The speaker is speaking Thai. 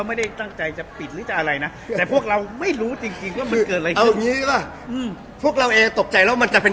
ไม่ตั้งใจจะปิดจะอะไรนะพวกเราไม่รู้จริงผมจะเป็น